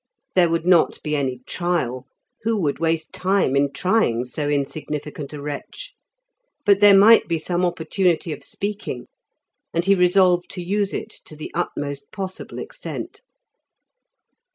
There would not be any trial; who would waste time in trying so insignificant a wretch? But there might be some opportunity of speaking, and he resolved to use it to the utmost possible extent.